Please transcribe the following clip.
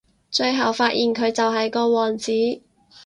最後發現佢就係個王子